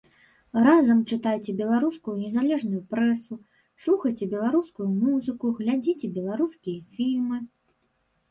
Разам чытайце беларускую незалежную прэсу, слухайце беларускую музыку, глядзіце беларускія фільмы.